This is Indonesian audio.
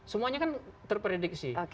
semuanya kan terprediksi